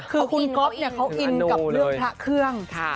คือคุณก๊อฟเขาอินกับเรื่องพระเครื่อง